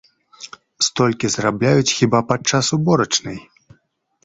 Столькі зарабляюць хіба падчас уборачнай.